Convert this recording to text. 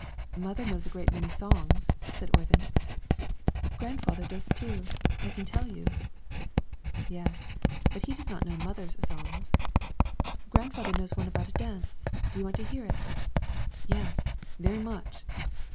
"Mother knows a great many songs," said Oyvind. "Grandfather does, too, I can tell you." "Yes, but he does not know mother's songs." "Grandfather knows one about a dance. Do you want to hear it?" "Yes, very much."